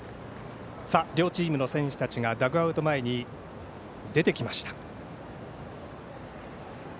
両チームの選手たちがダグアウト前に出てきました。